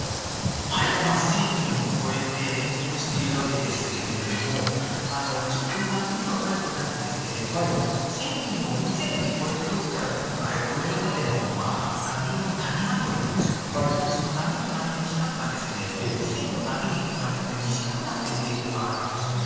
１０００人を超えて、連続しているわけですけれども、ちょっとこの波には書いてないんですけれども、１０００人を以前に超えたときから、今回超えるまでの波の谷間というんでしょうかね、その波と波の期間が、以前の波に比べて短くなっている傾向があるんですね。